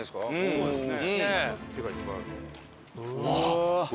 そうなんですね。